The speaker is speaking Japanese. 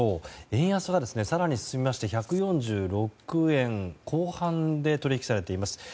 円安が更に進みまして１４６円後半で取引されています。